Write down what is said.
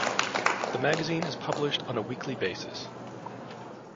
The magazine is published on a weekly basis.